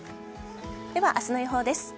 では、明日の予報です。